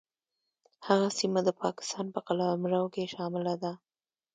هغه سیمه د پاکستان په قلمرو کې شامله ده.